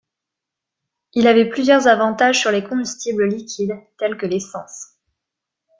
Il avait plusieurs avantages sur les combustibles liquides, tels que l'essence.